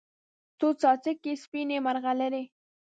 څو څاڅکي سپینې، مرغلرې